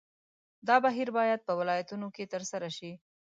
دا بهیر باید په ولایتونو کې ترسره شي.